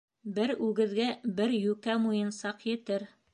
Бер үгеҙгә бер йүкә муйынсак етер.